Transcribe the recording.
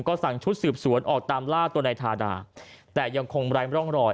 ก็สั่งชุดสืบสวนออกตามล่าตัวนายทาดาแต่ยังคงไร้ร่องรอย